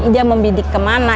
dia membidik kemana